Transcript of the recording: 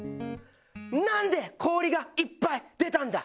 「なんで氷がいっぱい出たんだ？」